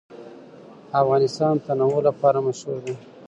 افغانستان د تنوع لپاره مشهور دی.